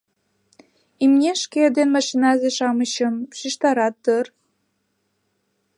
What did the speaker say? — Имнешке ден машиназе-шамычым шижтарат дыр.